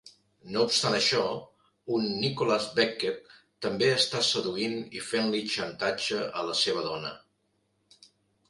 No obstant això, un Nicholas Beckett també està seduint i fent-li xantatge a la seva dona.